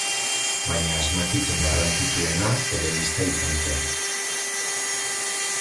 Baina asmakizun garrantzitsuena telebista izan zen.